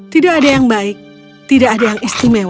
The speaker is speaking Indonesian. tidak ada yang baik tidak ada yang istimewa